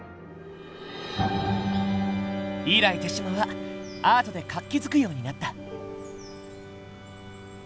以来豊島はアートで活気づくようになった。